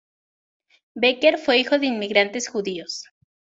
Becker fue hijo de inmigrantes judíos.